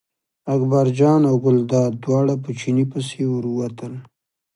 اکبرجان او ګلداد دواړه په چیني پسې ور ووتل.